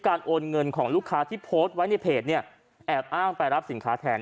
โอนเงินของลูกค้าที่โพสต์ไว้ในเพจเนี่ยแอบอ้างไปรับสินค้าแทน